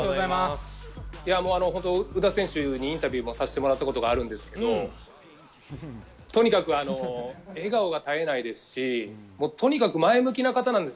宇田選手にインタビューさせてもらったことがあるんですけど、とにかく笑顔が絶えないですし、とにかく前向きな方なんです。